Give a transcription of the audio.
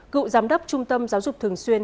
cựu giám đốc trung tâm giáo dục thường xuyên